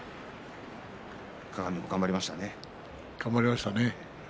頑張りましたね。